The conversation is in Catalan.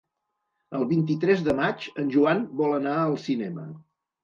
El vint-i-tres de maig en Joan vol anar al cinema.